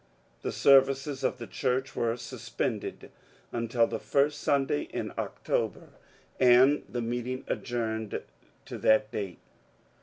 The services of the church were suspended until the first Sunday in October, and the meeting adjourned to that date.